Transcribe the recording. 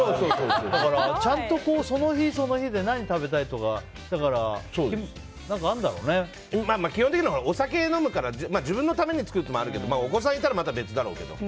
だからちゃんと、その日その日で基本的にお酒飲むから自分のために作るのもあるけどお子さんいたらまた別だろうけど。